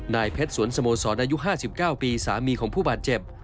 นายเพชรสวนสโมศรอายุห้าสิบเก้าปีสามีของผู้บาดเจ็บ